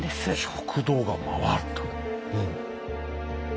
食堂が回るとうん。